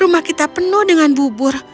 rumah kita penuh dengan bubur